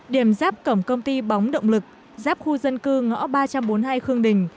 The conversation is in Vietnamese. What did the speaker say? điểm giáp cổng công ty bóng động lực giáp khu dân cư ngõ ba trăm bốn mươi hai khương đình